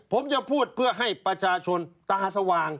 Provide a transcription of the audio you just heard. ผมจะพูดเพื่อให้ประชาชนตาสว่าง